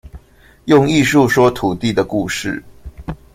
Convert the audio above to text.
用藝術，說土地的故事